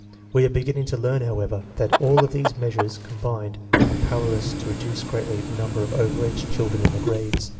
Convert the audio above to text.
We are beginning to learn, how ever, that all of these measures combined are power less to reduce greatly the number of over age children in the grades.